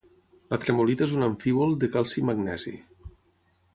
La tremolita és un amfíbol de calci i magnesi.